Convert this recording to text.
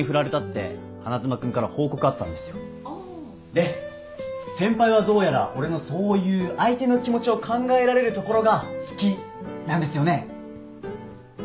で先輩はどうやら俺のそういう相手の気持ちを考えられるところが好きなんですよね？